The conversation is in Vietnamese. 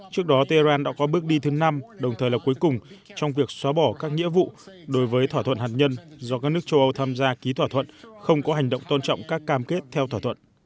trước đó tehran đã có bước đi thứ năm đồng thời là cuối cùng trong việc xóa bỏ các nghĩa vụ đối với thỏa thuận hạt nhân do các nước châu âu tham gia ký thỏa thuận không có hành động tôn trọng các cam kết theo thỏa thuận